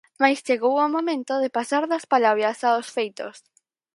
Mais, chegou o momento de pasar das palabras aos feitos.